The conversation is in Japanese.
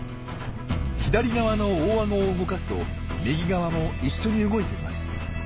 左側の大あごを動かすと右側も一緒に動いています。